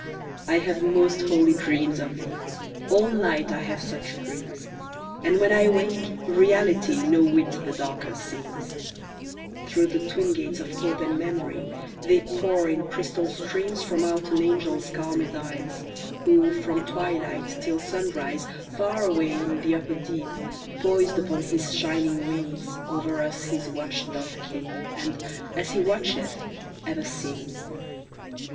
I have most holy dreams of thee, All night I have such dreams; And, when I awake, reality No whit the darker seems; Through the twin gates of Hope and Memory They pour in crystal streams From out an angel's calmèd eyes, Who, from twilight till sunrise, Far away in the upper deep, Poised upon his shining wings, Over us his watch doth keep, And, as he watcheth, ever sings.